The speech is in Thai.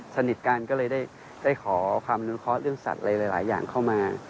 สนิทกันก็เลยได้ขอความนุเคราะห์เรื่องสัตว์อะไรหลายอย่างเข้ามา